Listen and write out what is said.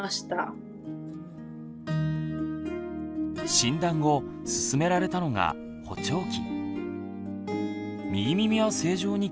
診断後勧められたのが補聴器。